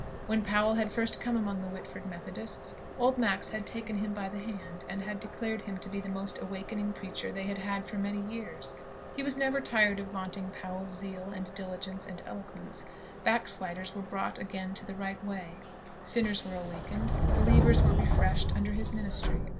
When Powell had first come among the Whitford Methodists, old Max had taken him by the hand, and had declared him to be the most awakening preacher they had had for many years. He was never tired of vaunting Powell's zeal, and diligence, and eloquence. Backsliders were brought again into the right way, sinners were awakened, believers were refreshed, under his ministry.